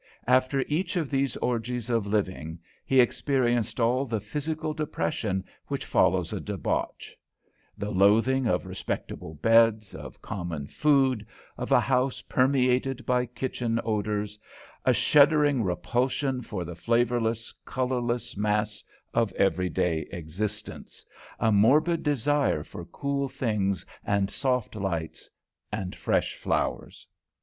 After each of these orgies of living, he experienced all the physical depression which follows a debauch; the loathing of respectable beds, of common food, of a house permeated by kitchen odours; a shuddering repulsion for the flavourless, colourless mass of every day existence; a morbid desire for cool things and soft lights and fresh flowers.